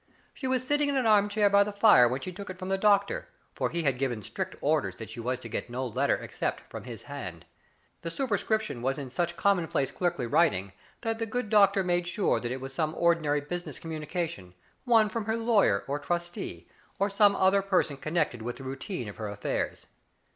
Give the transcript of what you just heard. She was sitting in an armchair by the fire when she took it from the doctor, for he had given strict orders she was to get no letter except from his hand. The superscription was in such commonplace clerkly writing that the good doc tor made sure that it was some ordinary business communigation, one from her lawyer or trustee, or Digitized by Google ktCHARD DOPVLlJVG. t;^ some other person connected with the routine of her affairs.